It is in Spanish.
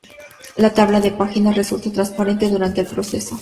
La tabla de páginas resulta transparente durante el proceso.